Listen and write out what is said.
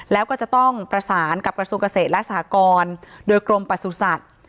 แล้วก็จะต้องประสานกับกระทรวงเกษตรและสหกรโดยกรมประสุทธิ์